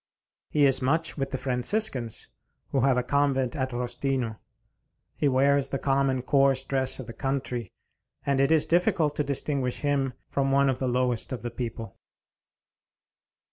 He is much with the Franciscans, who have a convent at Rostino. He wears the common coarse dress of the country, and it is difficult to distinguish him from one of the lowest of the people.